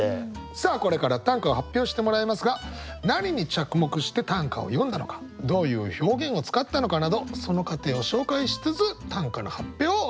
これから短歌を発表してもらいますが何に着目して短歌を詠んだのかどういう表現を使ったのかなどその過程を紹介しつつ短歌の発表をお願いします。